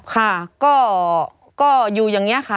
ค่ะก็อยู่อย่างนี้ค่ะ